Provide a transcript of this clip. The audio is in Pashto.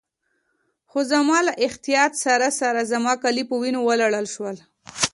خو زما له احتیاط سره سره زما کالي په وینو ولړل شول.